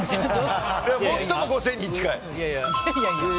最も５０００円に近い。